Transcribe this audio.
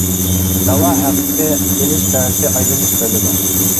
دەۋا ھەققى ئېلىش چارىسى ئايرىم چىقىرىلىدۇ.